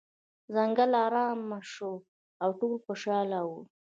ځنګل ارامه شو او ټول خوشحاله وو.